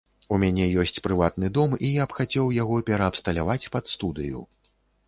У мяне ёсць прыватны дом, і я б хацеў яго пераабсталяваць пад студыю.